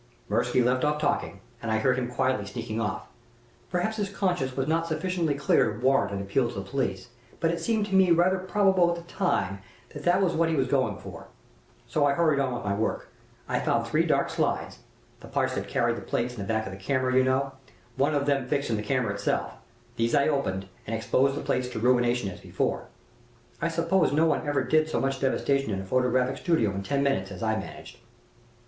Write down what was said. "Mirsky left off talking, and I heard him quietly sneaking off. Perhaps his conscience was not sufficiently clear to warrant an appeal to the police, but it seemed to me rather probable at the time that that was what he was going for. So I hurried on with my work. I found three dark slides the parts that carried the plates in the back of the camera, you know one of them fixed in the camera itself. These I opened, and exposed the plates to ruination as before. I suppose nobody ever did so much devastation in a photographic studio in ten minutes as I managed.